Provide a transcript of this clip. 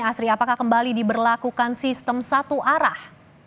asri apakah kembali diberlakukan sistem satu arah